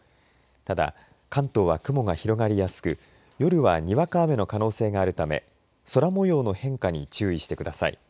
ただ、関東は雲が広がりやすく夜はにわか雨の可能性があるため空もようの変化に注意してください。